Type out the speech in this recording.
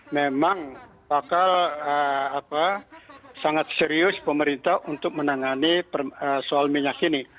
memang bakal sangat serius pemerintah untuk menangani soal minyak ini